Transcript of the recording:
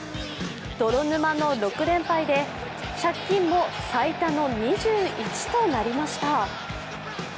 泥沼の６連敗で借金も最多の２１となりました。